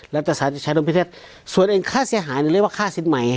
และตราสาธิตชายรวมพิเภทส่วนเองค่าเสียหายนี่เรียกว่าค่าสินใหม่